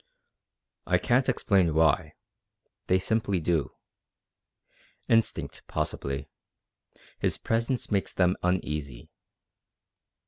"I can't explain why; they simply do. Instinct, possibly. His presence makes them uneasy.